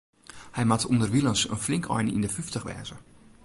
Hy moat ûnderwilens in flink ein yn de fyftich wêze.